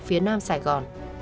phía nam sài gòn